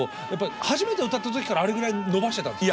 初めて歌った時からあれぐらい伸ばしてたんですか？